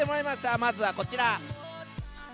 まずはこちら。